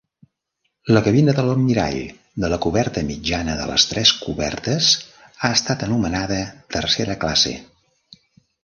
La cabina de l'almirall de la coberta mitjana de les tres cobertes ha estat anomenada tercera classe.